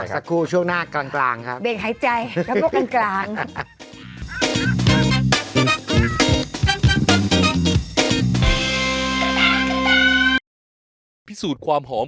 สักครู่ช่วงหน้ากลางครับ